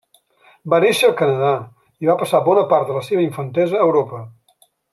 Va néixer al Canadà i va passar bona part de la seva infantesa a Europa.